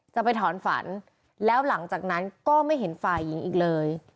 จะไปถอนฝันแล้วหลังจากนั้นก็ไม่เห็นฝ่ายหญิงอีกเลย